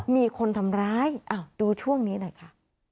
มีคนทำร้ายดูช่วงนี้หน่อยค่ะ